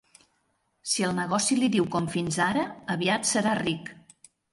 Si el negoci li diu com fins ara, aviat serà ric.